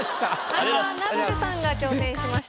俳句はナダルさんが挑戦しました。